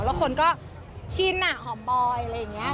แล้วคุณก็ชินอะหอมบอย